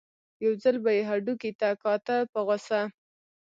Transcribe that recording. یو ځل به یې هډوکي ته کاته په غوسه.